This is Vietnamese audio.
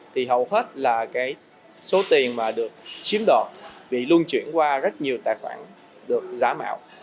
thì hầu hết là cái số tiền mà được chiếm đọt bị luân chuyển qua rất nhiều tài khoản được giá mạo